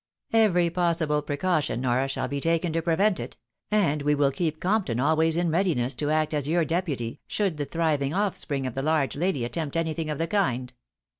" Every possible precaution, Nora, shall be taken to prevent it ; and we will keep Compton always in readiness to act as your deputy, should the thriving offspring of the large lady attempt anything of the kind.